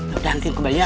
udah nanti kembalinya